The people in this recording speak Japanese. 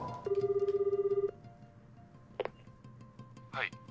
☎はい。